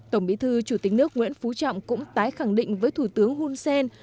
tổng bí thư chủ tịch nước nguyễn phú trọng cũng tái khẳng định với thủ tướng hun sen